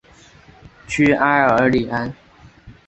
屈埃尔里安。